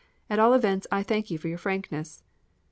At all events I thank you for your frankness."